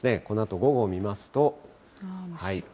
このあと、午後を見ますと。